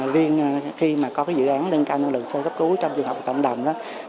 liên khi có dự án nâng cao năng lực sơ cấp cứu trong trường học và cộng đồng